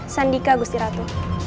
sandika gusti ratu